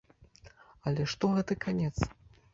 Але што гэты канец?